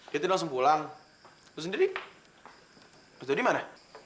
dia tadi langsung pulang lo sendiri mas doni mana